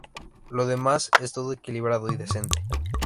Lo demás es todo equilibrado y decente.